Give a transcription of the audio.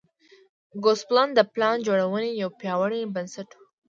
ګوسپلن د پلان جوړونې یو پیاوړی بنسټ و.